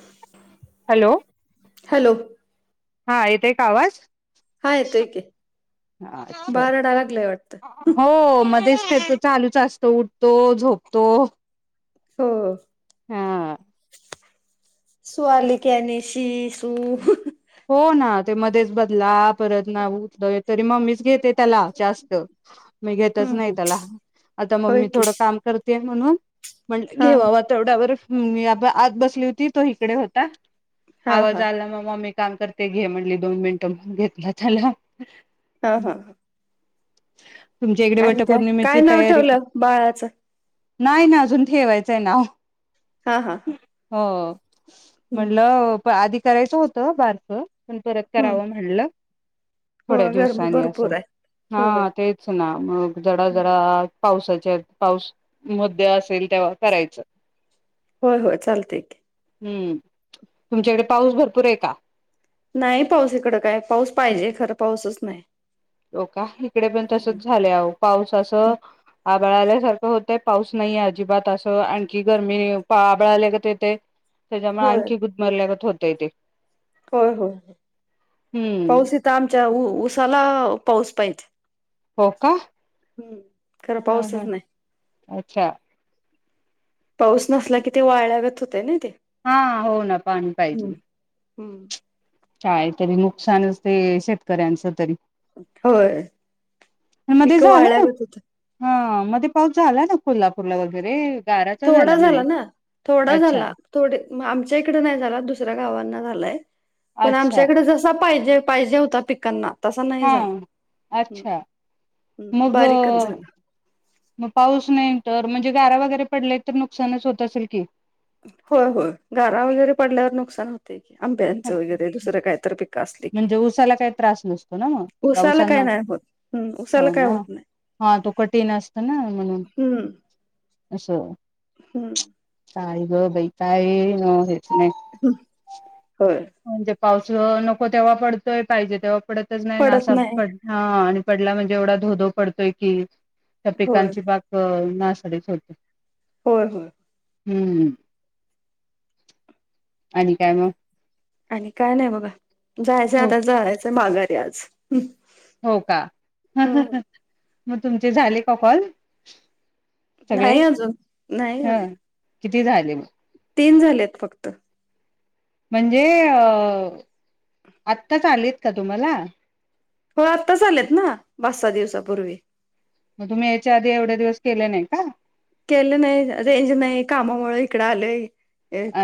ह हॅलो हा येत आहे का आवाज हा येतो एकके अच्छा बारडा लागलाय वाटतं हो मध्येच फ तो चालूच असतो उठतो झोपतो हो सुवालीिक्याने शी सुू हो ना ते मध्येच बदला परत ना उतल तरी मम्मीच घेत त्या जास्त मी घेतच नाही हम्म त्याला आता मग होय मी की थोड काम कर म्हणून म्हण हा घेवा तेवढ्यावर आत बसली होती तो इकडे होता हा आवाज हा आला मग काम करते घे म्हणली दोन मिनिटं घेतला चला हा हा ह तुमच्या इकडे वट काय काय पौर्णिमेची नाव तयारी ठेवलं बाळाचं नाही ना अजून ठेवायचं आहे ना हा हा हा हो हम्म म्हटलं आधी करायचं होतं बारक पण परत हम्म करावं म्हणलं हो थोड्या गरमी दिवसांनी असं भरपूर आहे हा होय तेच ना मग जरा जरा पावसाच्या पाऊस मध्ये असेल तेव्हा करायचं होय होय चालते हम्म तुमच्याकडे पाऊस भरपूर आहे का नाही पाऊस इकडं काय पाऊस पाहिजे खरं पाऊसच नाही हो का इकडे पण तसच झालेह पाऊस असं आबळाल्यासारखं होतंय पाऊस नाहीे अजिबात असं आणखी गरमी आबळाल्यागत येते त्याच्यामुळे होय आणखी गुदमरल्यागत होतेय ते होय हो हम्म. पाऊस इथ आमच्या उसाला पाऊस पाहिजे हो का हम्म खरं ह ह पाऊसच नाही अच्छा पाऊस नसला की ते वाळगत होते ना ते हा हो ना पाणी हम्म पाहिजे हम्म काय तरी नुकसानचते शेतकऱ्यांचं तरी मध्ये पिकं झालंय ना वाळल्यागत होत हा मध्ये पाऊस झालाय ना कोल्हापूरला वगैरे गाराचा थोडा म्हणे झाला ना थोडा अच्छा झाला थोडे आमच्या इकडे नाही झाला दुसऱ्या गावांना झालंय पण अच्छा आमच्याकडे जा पाहिजे पाहिजे होता पिकांना तस नाही हा झाला् अच्छा मग बारीकच झालं मग पाऊस नाही तर म्हणजे गारा वगैरे पडले तर नुकसानच होत असेल की होय हो गारा वगैरे पडल्यावर नुकसान होत की आंब्यांचं वगैरे दुसरं काहीत पिक अस म्हणजे ऊसाला काही त्रास नसतो ना मग का उसाला काय ऊसांना नाही होत हम्म उसाला हो काय ना होत नाही हा तू कठीण असत ना म्हणून हम्म असच्ा हम्म ताळी ग बैताय न हेेत नाहीय हो म्हणजे पाऊस नको तेव्हा पडतोय पाहिजे तेव्हा पडतच नाही ना पडत असा नाही पड हा आणि पडला म्हणजे एवढा धोधो पडतोय की त्या होय पिकांची बाक नासरीच होते हो हो हम्म आणि काय मग आणि काय नाही बघा जायचं हो आता जायचंय माघारी आज हो का हम्म मग तुमचे झाले का कॉल सगळे नाही अजून नाही ह अजून किती झाले मग तीन झालेत फक्त. म्हणजे अ आत्ताच आलेत का तुम्हाला. हो आत्ताचा आलेत ना पाच, सहा दिवसापूर्वी. मग तुम्ही याच्या आधी एवढे दिवस केले नाही का. केलं नाही रेंज नाही कामामुळे इकडे आलंय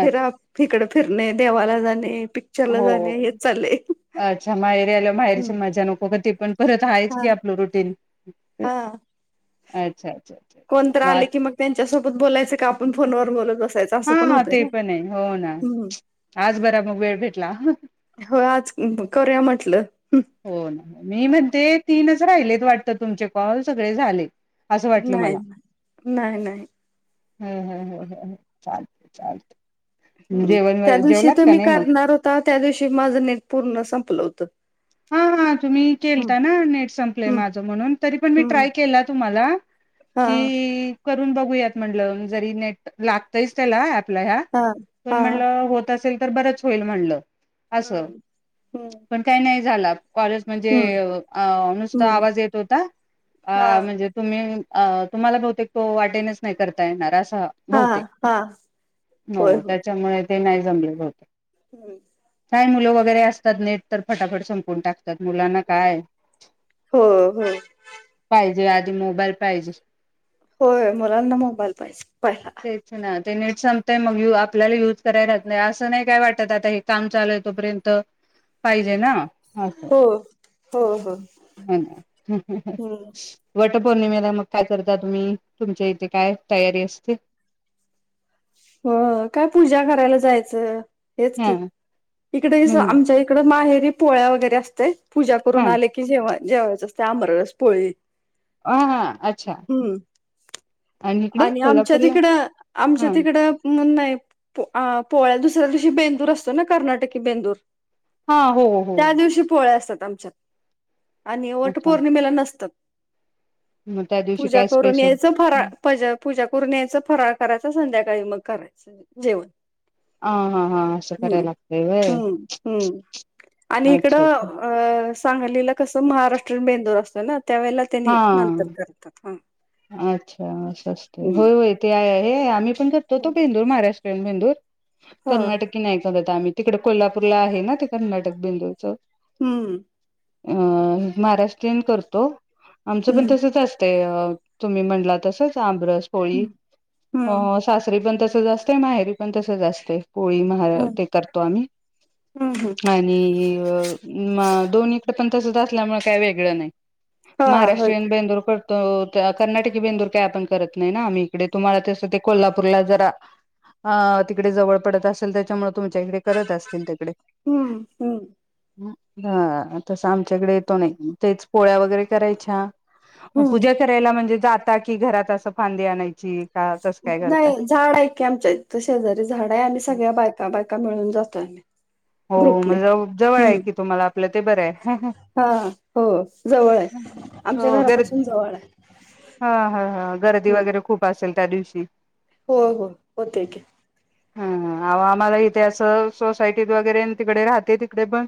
अ इकडे फिरणे देवाला जाणे पिक हो अच्छा माहेरी आल्या माहेरीची हम्म मजा नको का ती पण परत हायच हा की आपलं रुटीन हा अच्छा कोणत अच्छा वा आले की मग त्यांच्यासोबत बोलायचं का आपण फोनवर बोलत बसायचं. असं पण हा होतंय ते ना पण आहे हो ना हम्म आज बरा मग वेळ भेटला. होय आज करूया म्हटलं. होय मी म्हणते तीनच राहिलेत वाटतं तुमचे कॉल सगळे झाले. असं वाटलं नाही नाही मला. नाही नाही हम्म हम् हम्म हम्म् चालतय चालतय. हम्म त्या दिवशी तुमी मग करणार होता त्या दिवशी माझं नेट पूर्ण संपलं होतं. हा हा तुम्ही हम्म केलता ना नेट संपलय हम्म माझं म्हणून तरी पण मी हम्म ट्राय केला तुम्हाला. हा की करून बघूयात म्हटल जरी नेट लागतयच त्याला. आपल्या ह्या हा पण हा म्हणलं होत असेल तर बरच होईल म्हनल. असं हम्म हम्म पण काही नाही झाला कॉलच म्हणजे हम्म नुसता हम्म आवाज येत होता. हा म्हणजे तुम्ही तुम्हाला बहुतेक तो वाटेनेच नाही करता येणार अस हा बहुतेक हा होय हो होय त्याच्यामुळे ते नाही जमले. [unintelligible] काय मुलं वगैरे असतात नेट तर फटाफट संपून टाकतात मुलांना काय. हो हो पाहिजे आधी मोबाईल पाहिजे. होय मुलांना मोबाईल पाहिजे पाहिला. तेच ना ते नेट संपतय मग आपल्याला युज कराय राहत नाही असं नाही काय वाटत आता हे काम चालू आहे तोपर्यंत पाहिजे ना. अस हो हो हो हा ना हहह हम्म वट पौर्णिमेला मग काय करता तुम्ही तुमच्या इथे काय तयारी असते. हो काय पूजा करायला जायचं हेच हा की इकडे हम्म आमच्या तकड माहेरी पोळ्या वगैरे असतयं पूजा करून हा आले की जेव जेवायच असते अमरस, पोळी. हा हा अच्छा. हम् इकडे आणि आमच्या कोल्हापूरला तिकडं आमच्या हा तिकडं नाही पोळ्या दुसऱ्या दिवशी बेंदूर असतो ना कर्नाटकी बेंदूर. हा हो हो त्या दिवशी पोळ्या असतात आमच्यात. आणि वट अच्छा पौर्णिमेला नसतात मग त्या दिवशी पूजा काय करून स्पेशल यायचं फरा पूजा करून यायचं फराळ करायच संध्याकाळी मग करायचं जेवण. हा हा हा असं हम् करायला लागतंय व्हय हम्म हम्म आणि अच्छा अच्छा इकडं अ सांगलीला कसं महाराष्ट्रीयन बेंदूर असतो ना त्यावेेळेला त्यांनी हा नंतर करतात हा अच्छा असं असतंय हम्म. होय होय ते आहे आहे आम्ही पण करतोतो बेंदूर महाराष्ट्रीयन बेंदूर. हा कर्नाटकी नाही करत आम्ही तिकड कोल्हापूरला आहे ना ते कर्नाटक बेंदूर च. हम्म अ महाराष्ट्रीयन करतो आमचं पण हम्म तसच असतयं अ तुम्ही म्हणला तसच आमरस, पोळी हम्म ह सासरी पण तसचा असतयं माहेरी पण तस जा असत पोळी मण हम्म ते करतो आम्ही हम्म आणि म दोन्हीकडे पण तसच असल्यामुळे काय वेगळं नाही हा होय महाराष्ट्रीयन की. बेंदूर करतो हो तो कर्नाटकी बेंदूर काय आपण करत नाही ना आम्ही इकडे तुम्हाला तसं ते कोल्हापूरला जरा ह तिकडे जवळ पडत असेल त्याच्यामुळे तुमच्या इकडे करत असतील तिकडे. हम्म हम्. हा तस आमच्याकडे येतो नाही तेच पोळ्या वगैरे करायच्या हम्म पूजा करायला म्हणजे जाता कि घरात असं फांदी आणायची का तसं काय करताय? नाही झाड आहे की आमच्या इथ शेजारी झाड आहे आम्ही सगळ्या बायका बायका मिळून जातोयम्ही. हो जवळ आहे की तुम्हाला आपलं ते बरं आहे. हा हो जवळ आहे आमच्या हो गर्दी घरापासून जवळ आहे. हा हा हा गर्दी हम्म वगैरे खूप असेल त्या दिवशी. हो हो होत की हा आम्हाला इथे अस सोसायटी वगैरे तिकडे राहते तिकडे पण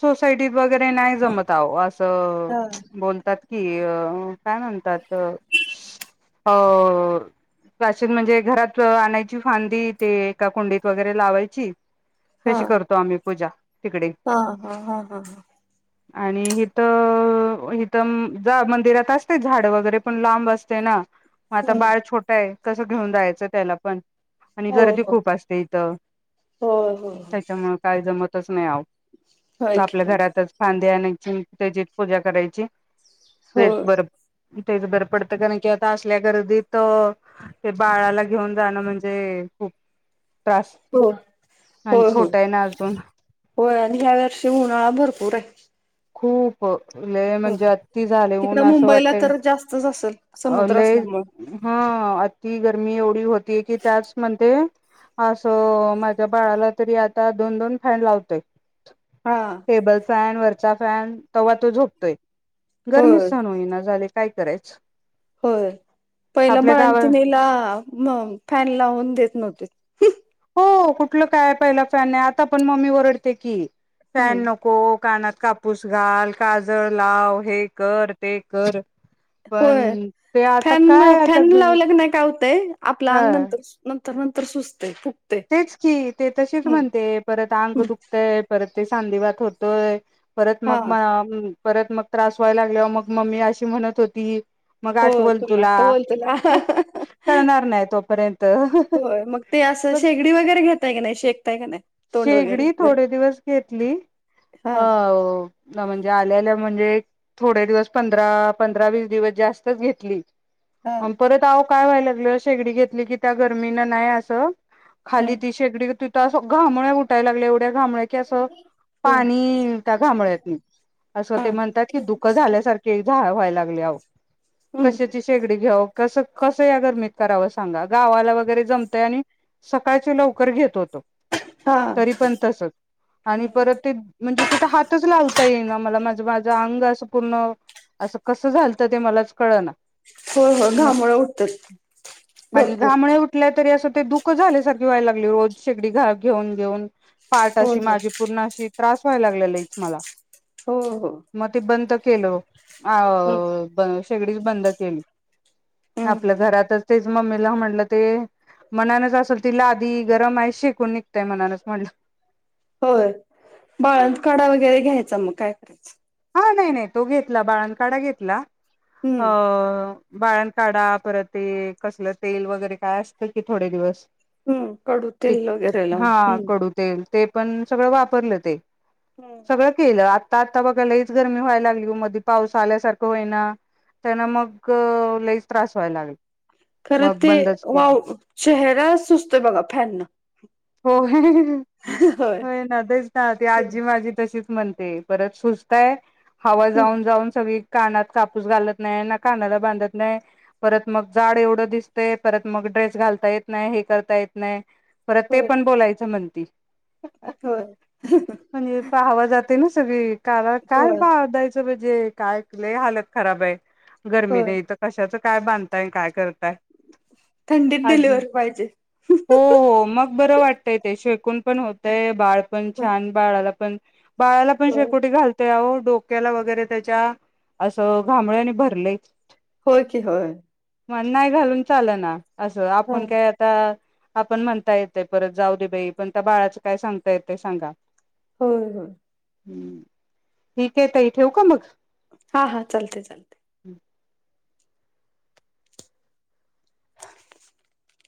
सोसायटीत वगैरे नाही जमत आव आह असं हा बोल ात की अ काय म्हणतात अ वाचन म्हणजे घरात आणायची फांदी ते एका कोुंडीत वगैरे लावायची. हा तशी करतो आम्ही पूजा तिकडे. हा हा हा हा हा. आणि हथं इथ मंदिरात असते झाड वगैरे, पण लांब असते नाग आता हम्म बाळ छोटं आहे कसं घेऊन जायचं त्याला पण. आणि हो गर्दी हो खूप असते इथ होय होय त्याच्यामु काय जमतच नाही आवं. होय की आपल्या हो घरातच फांदीे आणायची त्याची पूजा करायची. हो तेच बर तेच बर पडत कारण की आता असल्या गर्दीत. ते बाळाला घेऊन जाणं म्हणजे खूप, त्रास आणि छोटा आहे ना अजून. हो आणि ह्या वर्षी उन्हाळा भरपूर आहे. खूप लय हो म्हणजे अ ति झाले ऊन म्हंजे तिकडं असं मुंबईला तर जास्तच असेल वाटत समुद्र लय असल्यामुळे हा आतीब गर्मी एवढी होतीय की त्याच म्हधे. असं माझ्या बाळाला तरी आता दोन दोन फॅन लावतोय. हा. टेबल फॅन वरचा फॅन ते्हा तो झोपतोय गरमी होय सण होईना झालि. काय करायच. होय पहिलं गावा बाळतीिला फॅन लावून देत नव्हती. हो कुठलं काय पहिला फॅन नाही आता पण मम्मी रडते की हम्म फॅन नको को कानात कापूस घाल काजळ लाव हे कर ते कर. पण होय ते आता फॅन काय आता फॅन लावलंग नाही का होतंय आपलं हा अंग नंतर सूज नंतर नंतर सुजतंय फुव तेच की ते तशीच म्हणते परत अंग हम्म दुखतय परत ते सांधीवात होतय. परत हा मग म परत मग त्रास व्हायला लागल्या मग मम्मी अशी म्हणत होती मग हो आठवल तुला टोल तुला. कळणार नाही तोपर्यंत. होय मग ते असं पण शेगडी वगैरे घेतताय कनी शेकताय का नाही. तोंड शेगडी वगैरे गर थोडे दिवस घेतली हा अ हो म्हणजे आल्याल्या म्हणजे. थोडे दिवस पंधरा पंधरा वीस दिवस जास्तच घेतली. हा परत आव काय व्हायला लागल शेगडी घेतली की त्या गरमीनं नाही असं. हा खाली ति शेकडी तिथ घामळ घुठायला लागल्या एवढ्या घामळ्या ते असं ह पाणी त्या घामोळ्यातनी असं हा ते म्हणतात की दुःख झाल्यासारख. झा व्हाय लागल हम्म कशाची शेगडी घायव. कस कस या गरमीत करावं सांगा गावाला वगैरे जमतंय आणि सकाळची लवकर हा तरी पण तसच आणि हम्म परत ते. म्हणजे तिथे हातच लावता येई ना मला मा माझं अंग असं पूर्ण असं कसं झालतं ते मलाच कळ ना. हो हो घामोळ उठत्यात भरपूर. कुठल्या तरी अस ते दुःख झाल्यासारखी व्हाय लागलय ओ रोज शेगडी घेऊन घेऊन पाठ होय अशी होय माझी पूर्ण अशी त्रास व्हायला लागला लयच मला, हो हो, मग ते बंद केलं अ हम्म ब शेगडीच बंद केली. हम्म आपल्या घरातच तेच मम्मीला म्हटलं, ते मनानच असल तिला लादि गरम आहे शेकून निघत्या. ते मनानच म्हटलं, होय. बाळंत काढा वगैरे घ्यायचा मग काय करायचं. हा नाही नाही. तो घेतला बाळंत काढा घेतला अ हम्म बाळंत काढा परत ते कसलं तेल वगैरे काय असतं कि थोडे दिवस हम्म कडू ते तेल वगैरे हे लावून. हा हम्म, कडू तेल ते पण सगळं वापरलं ते. हम्म, सगळ केलं. आता आता बघा लयच गरमी व्हायला लागली. मध्ये पाऊस आल्यासारखं होईना. त्यांना मग लईच त्रास व्हायला लागल. खरं ते वा चेहरा सुजतोय बघा फॅनन होय, होय ना तेच ना ते आजी हम्म माझी तशीच म्हणते परत सुजतय हवा जाऊन जाऊन सगळी, कानात कापूस घालत नाही. ना कानाला बांधत नाही. परत मग जाड एवढं दिसते. परत मग ड्रेस घालता येत नाही हे करता येत नाही. परत ते होय पण बोलायचं म्हणती. होय, म्हणजे, हवा जाते ना सगळी कानाला काय होय बांधायचं. म्हणजे काय लय हालत खराब आह. गर्मी न होय इथ कशाचं काय बांधताय काय करताय. थंडीत आजी डिलिव्हरी पाहिजे हो, हो मग बरं वाटतय ते शेकून पण होतय बाळ पण छान बाळाला पण, बाळाला पण होय शेकोटी घालत्या अहो डोक डोक्याला वगैरे त्याच्या असं घामोळ्यानि भरलाय. होय कि होय, मग नाही घालून चालना. असं होय आपण काय आता आपण म्हणता येत, ते परत जाऊ दे बाई पण त्या बाळाचं काय सांगता येत ते सांगा. होय होय, हम्म, ठीक आहे ताई ठेवू का मग? हा हा चालतंय चालतंय.